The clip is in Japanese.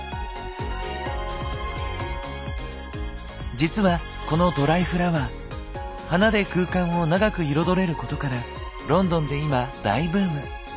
実はこのドライフラワー花で空間を長く彩れることからロンドンで今大ブーム！